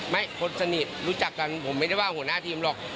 คนสนิทรู้จักกันผมไม่ได้ว่าหัวหน้าทีมหรอก